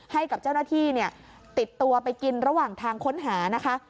ให้กับเจ้าหน้าที่เนี่ยติดตัวไปกินระหว่างทางค้นหานะคะ